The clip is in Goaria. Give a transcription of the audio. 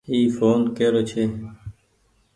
اي ڦون ڪيرو ڇي۔